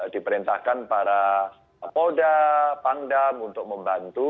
diperintahkan para polda pangdam untuk membantu